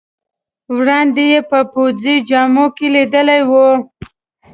وړاندې یې په پوځي جامو کې لیدلی وې.